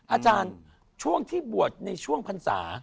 อาจารย์ช่วงที่บวชในช่วงพรรษา